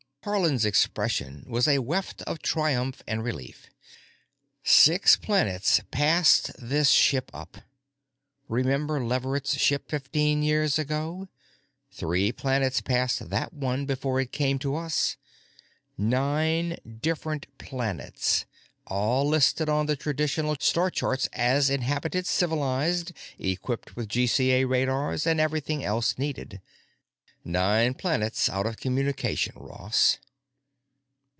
Haarland's expression was a weft of triumph and relief. "Six planets passed this ship up. Remember Leverett's ship fifteen years ago? Three planets passed that one before it came to us. Nine different planets, all listed on the traditional star charts as inhabited, civilized, equipped with GCA radars, and everything else needed. Nine planets out of communication, Ross."